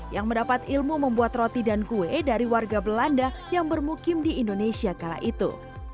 yang mendapat ilmu membuat roti dan kue dari warga belanda yang bermukim di indonesia kala itu